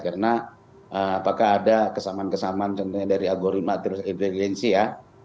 karena apakah ada kesamaan kesamaan contohnya dari algoritma terus evalensi ya